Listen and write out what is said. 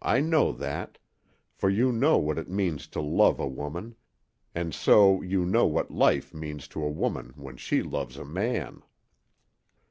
I know that. For you know what it means to love a woman, and so you know what life means to a woman when she loves a man.